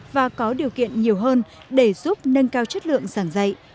và có điều kiện nhiều hơn để giúp nâng cao chất lượng giảng dạy